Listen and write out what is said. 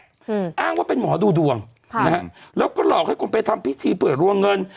อืมอ้างว่าเป็นหมอดูดวงค่ะนะฮะแล้วก็หลอกให้คนไปทำพิธีเปิดรวงเงิน